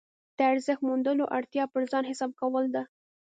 د ارزښت موندلو اړتیا پر ځان حساب کول ده.